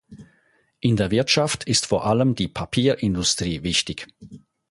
In der Wirtschaft ist vor allem die Papierindustrie wichtig.